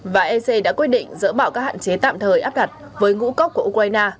và ec đã quyết định dỡ bỏ các hạn chế tạm thời áp đặt với ngũ cốc của ukraine